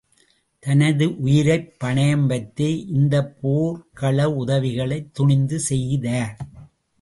தனது உயிரைப் பணயம் வைத்தே இந்த போர்க்கள உதவிகளைத் துணிந்து செய்தார்.